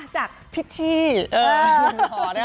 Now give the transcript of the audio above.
จากพิษชี้